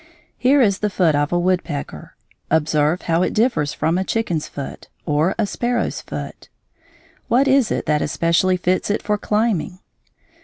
Here is the foot of a woodpecker. Observe how it differs from a chicken's foot, or a sparrow's foot. What is it that especially fits it for climbing?